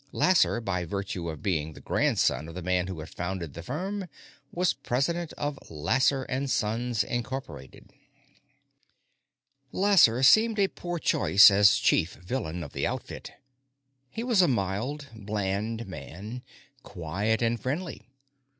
Lasser, by virtue of being the grandson of the man who had founded the firm, was president of Lasser & Sons, Inc. Lasser seemed like a poor choice as chief villain of the outfit; he was a mild, bland man, quiet and friendly.